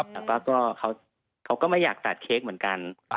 แต่เขาก็ไม่อยากตัดเค้กเหมือนกัน